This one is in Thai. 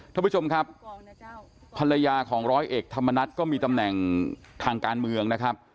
ท่านผู้ชมครับภรรยาของร้อยเอกธรรมนัฐก็มีตำแหน่งทางการเมืองนะครับ